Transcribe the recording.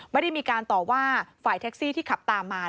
ไม่ได้มีการต่อว่าฝ่ายแท็กซี่ที่ขับตามมา